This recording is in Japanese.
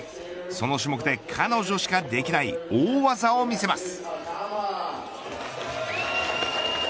その種目で、彼女しかできない大技を見せます。